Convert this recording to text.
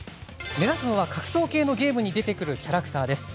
目指すのは格闘系のゲームに出てくるキャラクター。